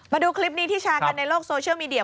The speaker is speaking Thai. มาดูคลิปนี้ที่แชร์กันในโลกโซเชียลมีเดีย